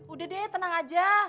udah deh tenang aja